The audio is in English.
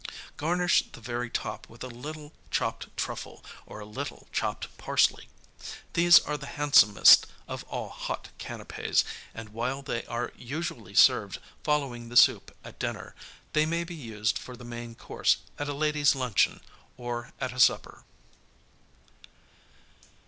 Garnish the very top with a little chopped truffle or a little chopped parsley. These are the handsomest of all hot canapķs, and while they are usually served following the soup at dinner, they may be used for the main course at a ladies' luncheon, or at a supper.